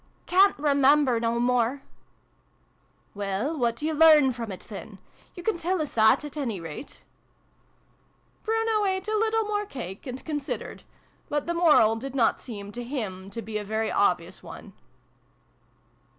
" Ca'n't remember no more !"" Well, what do you learn from it, then ? You can tell us that, at any rate ?" Bruno ate a little more cake, and considered : but the moral did not seem to him to be a very obvious one.